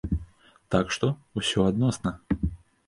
Так што, усё адносна.